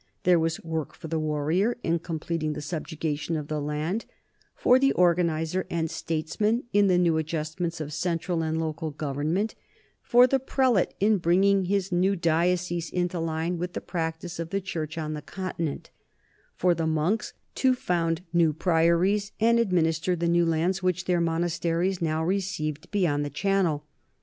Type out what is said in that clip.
There was work for the warrior in completing the subjugation of the land, for the organ izer and statesman in the new adjustments of central and local government, for the prelate in bringing his new diocese into line with the practice of the church on the Continent, for the monks to found new priories and administer the new lands which their monasteries now received beyond the Channel.